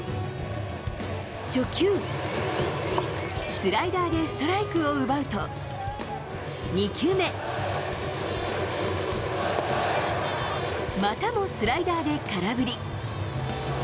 初球、スライダーでストライクを奪うと、２球目、またもスライダーで空振り。